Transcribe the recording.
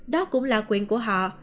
đó cũng là quyền của họ